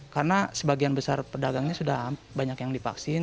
karena sebagian besar pedagangnya sudah banyak yang dipaksin